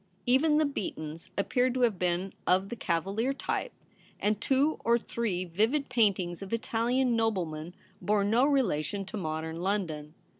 Even the Beatons appeared to have been of the Cavalier type, and two or three vivid paintings of Italian noblemen bore no relation to modern London.